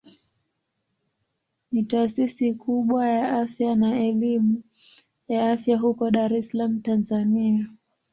Ni taasisi kubwa ya afya na elimu ya afya huko Dar es Salaam Tanzania.